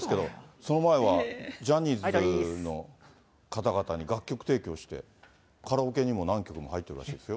その前はジャニーズの方々に楽曲提供して、カラオケにも何曲も入ってるらしいですよ。